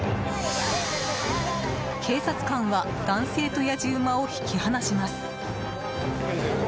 警察官は男性とやじ馬を引き離します。